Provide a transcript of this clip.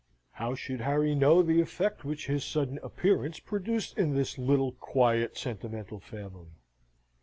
How should Harry know the effect which his sudden appearance produced in this little, quiet, sentimental family?